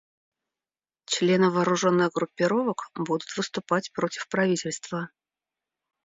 Члены вооруженных группировок будут выступать против правительства.